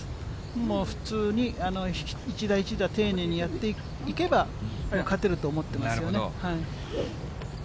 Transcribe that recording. もう普通に、一打一打、丁寧にやっていけば、もう勝てると思ってますよね。